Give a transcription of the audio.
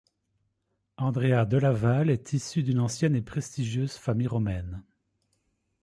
Andrea della Valle est issu d'une ancienne et prestigieuse famille romaine.